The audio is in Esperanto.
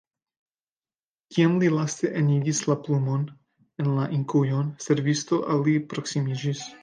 Kiam li laste enigis la plumon en la inkujon, servisto al li proksimiĝis.